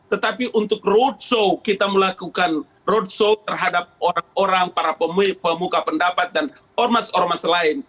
tetapi untuk roadshow kita melakukan roadshow terhadap orang orang para pemuka pendapat dan ormas ormas lain